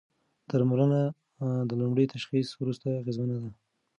درملنه د لومړي تشخیص وروسته اغېزمنه ده.